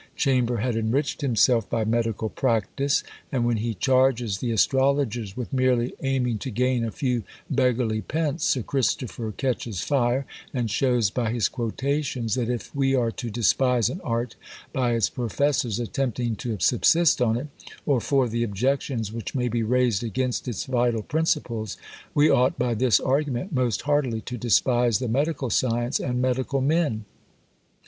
Chamber had enriched himself by medical practice; and when he charges the astrologers with merely aiming to gain a few beggarly pence, Sir Christopher catches fire, and shows by his quotations, that if we are to despise an art, by its professors attempting to subsist on it, or for the objections which may be raised against its vital principles, we ought by this argument most heartily to despise the medical science and medical men!